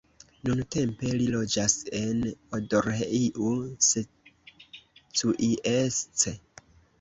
Nuntempe li loĝas en Odorheiu Secuiesc.